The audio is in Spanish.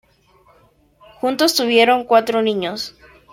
Juntos tuvieron cuatro niños.